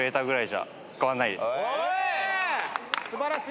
・素晴らしい。